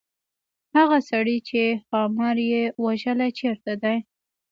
هغه سړی چې ښامار یې وژلی چيرته دی.